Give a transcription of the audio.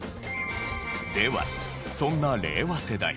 ではそんな令和世代。